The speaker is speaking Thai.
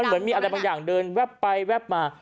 เหมือนมีอะไรบางอย่างเดินแวบไปแวบมา